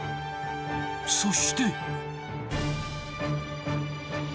そして。